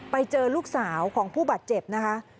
ไปเจอลูกสาวของผู้บาดเจ็บนะคะ